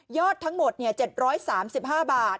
ทั้งหมด๗๓๕บาท